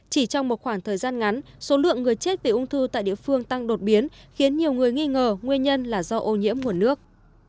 chỉ trong một khoảng thời gian ngắn số lượng người chết vì ung thư tại địa phương tăng đột biến khiến nhiều người nghi ngờ nguyên nhân là do ô nhiễm nguồn nước